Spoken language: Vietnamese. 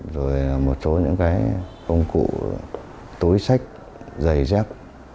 rồi một số những cái công cụ túi sách giày dép